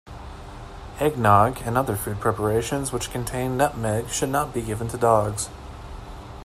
Eggnog and other food preparations which contain nutmeg should not be given to dogs.